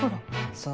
そう。